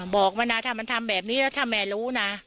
บอกมันนะถ้ามันทำแบบนี้แล้วถ้าแม่รู้นะ